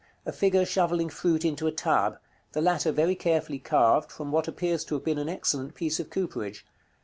_ A figure shovelling fruit into a tub; the latter very carefully carved from what appears to have been an excellent piece of cooperage.